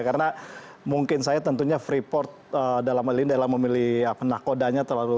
karena mungkin saya tentunya freeport dalam hal ini dalam memilih nakodanya